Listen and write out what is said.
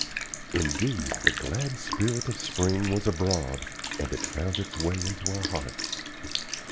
Indeed, the glad spirit of Spring was abroad, and it found its way into our hearts.